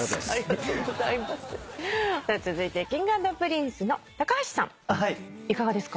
続いてＫｉｎｇ＆Ｐｒｉｎｃｅの橋さんいかがですか？